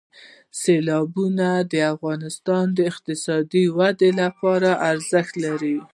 سیلابونه د افغانستان د اقتصادي ودې لپاره ارزښت لري.